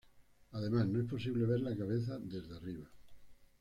Además, no es posible ver la cabeza desde arriba.